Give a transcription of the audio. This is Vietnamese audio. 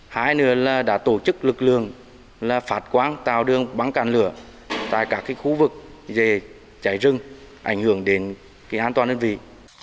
hai nữa là đã tổ chức lực lượng phạt quán tàu đường bắn cạn lửa tại các khu vực dây cháy rừng ảnh hưởng đến an toàn nhân viên